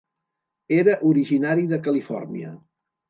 Era originari de Califòrnia.